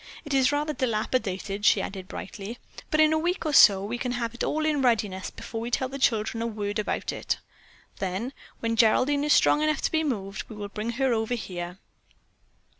It is rather dilapidated," she added brightly, "but in a week or so we can have it all in readiness before we tell the children a word about it. Then, when Geraldine is strong enough to be moved, we will bring her over here."